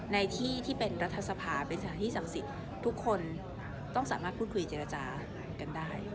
ในที่เป็นรัฐสภาเป็นเฉพาะสถานธิษฑรรมศัพท์ทุกคนต้องพูดคุยจะเจรจากันได้